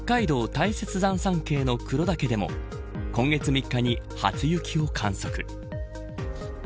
大雪山山系の黒岳でも今月３日に初雪を観測。